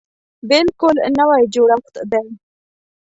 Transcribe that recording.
بلکل نوی جوړښت دی.